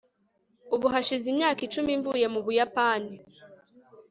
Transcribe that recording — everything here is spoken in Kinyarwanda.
ubu hashize imyaka icumi mvuye mu buyapani